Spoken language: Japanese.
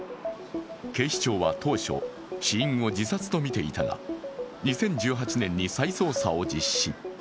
警視庁は当初、死因を自殺とみていたが２０１８年に再捜査を実施。